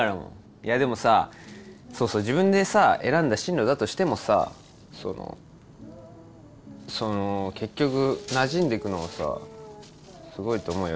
いやでもさそうそう自分でさ選んだ進路だとしてもさその結局そのなじんでくのはさすごいと思うよ。